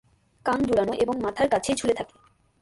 কান দুলানো এবং মাথার কাছে ঝুলে থাকে।